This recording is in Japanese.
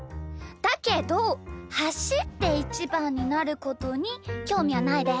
だけどはしってイチバンになることにきょうみはないです。